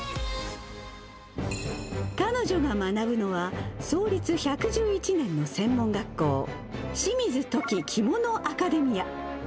彼女が学ぶのは、創立１１１年の専門学校、清水とき・きものアカデミア。